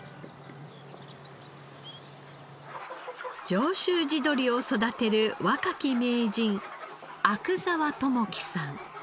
上州地鶏を育てる若き名人阿久澤知樹さん。